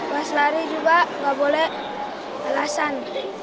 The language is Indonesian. pas lari juga gak boleh belasan